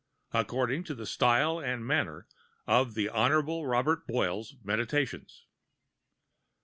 According to the Style and Manner of the Hon. Robert Boyle's Meditations.